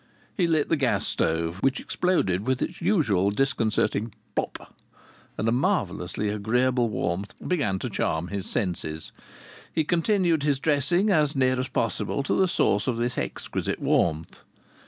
He lit the gas stove, which exploded with its usual disconcerting plop, and a marvellously agreeable warmth began to charm his senses. He continued his dressing as near as possible to the source of this exquisite warmth.